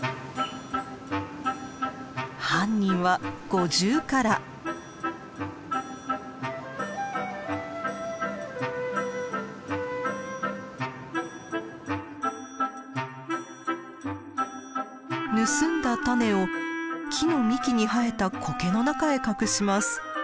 犯人は盗んだ種を木の幹に生えたコケの中へ隠します。